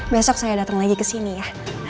besok saya datang lagi kesini ya